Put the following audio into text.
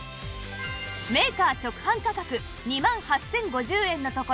メーカー直販価格２万８０５０円のところ